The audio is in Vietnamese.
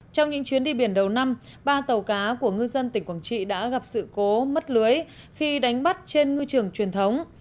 trong những chuyến đi biển đầu năm ba tàu cá của ngư dân tỉnh quảng trị đã gặp sự cố mất lưới khi đánh bắt trên ngư trường truyền thống